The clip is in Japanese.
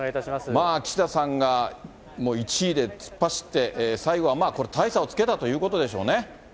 まあ、岸田さんがもう１位で突っ走って、最後はこれ、大差をつけたということでしょうね。